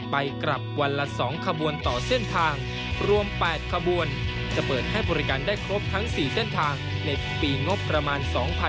ไปกลับวันละ๒ขบวนต่อเส้นทางรวม๘ขบวนจะเปิดให้บริการได้ครบทั้ง๔เส้นทางในปีงบประมาณ๒๕๖๒